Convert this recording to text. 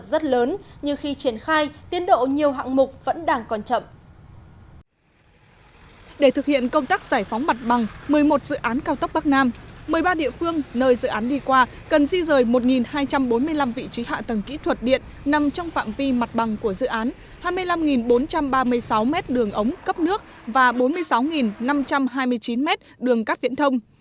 để thực hiện công tác giải phóng mặt bằng một mươi một dự án cao tốc bắc nam một mươi ba địa phương nơi dự án đi qua cần di rời một hai trăm bốn mươi năm vị trí hạ tầng kỹ thuật điện nằm trong phạm vi mặt bằng của dự án hai mươi năm bốn trăm ba mươi sáu m đường ống cấp nước và bốn mươi sáu năm trăm hai mươi chín m đường các viễn thông